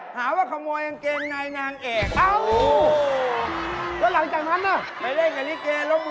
หาว่าขโมยเกงในงงเอก